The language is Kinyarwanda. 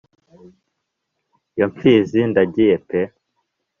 yo Mpfizi ndagiye pe